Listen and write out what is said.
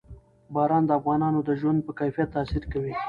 باران د افغانانو د ژوند په کیفیت تاثیر کوي.